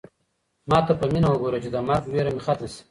ما ته په مینه وګوره چې د مرګ وېره مې ختمه شي.